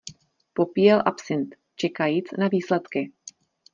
Popíjel absint, čekajíc na výsledky.